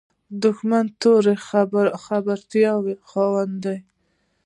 دښمن د تورو خیالاتو خاوند وي